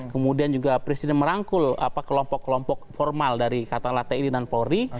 kemudian juga presiden merangkul kelompok kelompok formal dari katalate ini dan polri